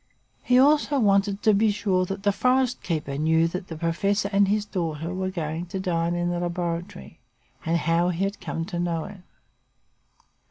He also wanted to be sure that the forest keeper knew that the professor and his daughter were going to dine in the laboratory, and how he had come to know it.